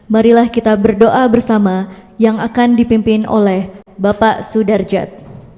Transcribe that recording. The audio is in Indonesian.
marilah kita berdoa bersama yang akan dipimpin oleh bapak sudarjat